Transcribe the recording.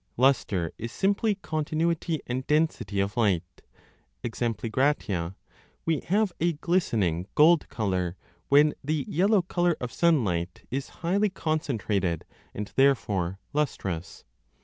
Lustre is simply continuity and density of light ; e. g. we have a glistening gold colour when the yellow colour of sunlight is highly concentrated and therefore lustrous.